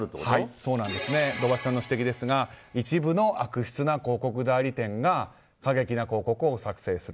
土橋さんの指摘ですが一部の悪質な広告代理店が過激な広告を作成する。